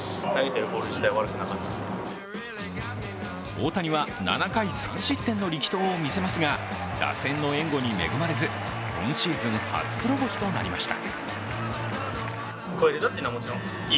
大谷は７回３失点の力投を見せますが、打線の援護に恵まれず、今シーズン初黒星となりました。